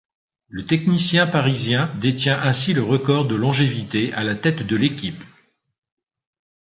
Le technicien parisien détient ainsi le record de longévité à la tête de l'équipe.